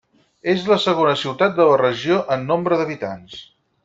És la segona ciutat de la regió en nombre d'habitants.